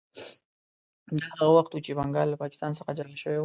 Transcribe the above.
دا هغه وخت و چې بنګال له پاکستان څخه جلا شوی و.